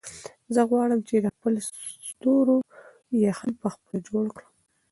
زه غواړم چې خپل د ستورو یخن په خپله جوړ کړم.